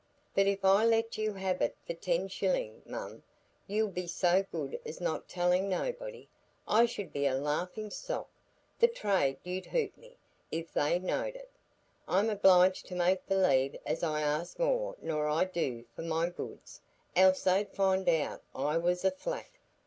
"But if I let you have it for ten shillin', mum, you'll be so good as not tell nobody. I should be a laughin' stock; the trade 'ud hoot me, if they knowed it. I'm obliged to make believe as I ask more nor I do for my goods, else they'd find out I was a flat.